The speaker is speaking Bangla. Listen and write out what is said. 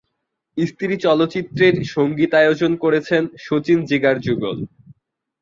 স্ত্রী চলচ্চিত্রের সঙ্গীতায়োজন করেছেন শচিন-জিগার যুগল।